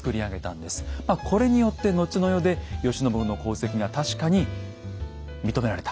これによって後の世で慶喜の功績が確かに認められた。